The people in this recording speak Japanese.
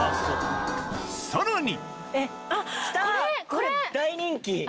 さらに！